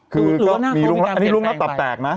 คือก็มีลุ้งรับตับแตกนะ